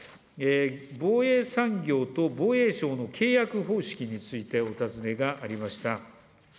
防衛産業と防衛省の契約方式について、お尋ねがありました。